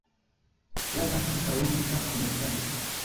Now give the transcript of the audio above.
Gravas ankaŭ la komercado.